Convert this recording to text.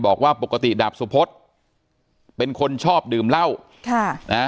บอกว่าปกติดาบสุพธเป็นคนชอบดื่มเหล้าค่ะนะฮะ